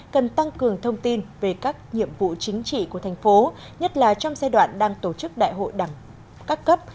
cần tăng cường thông tin về các nhiệm vụ chính trị của thành phố nhất là trong giai đoạn đang tổ chức đại hội đẳng các cấp